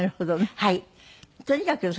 はい。